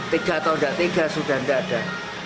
tiga atau nggak tiga sudah nggak ada